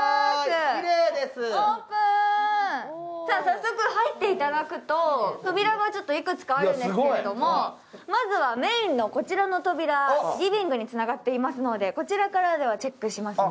早速入っていただくと扉がいくつかあるんですけれども、まずはメインのこちらの扉、リビングにつながっていますのでこちらからチェックしますね。